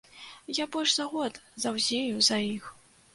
Я больш за год заўзею за іх.